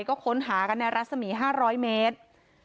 ก็ค้นหากันในรัศมี๕๐๐เมตร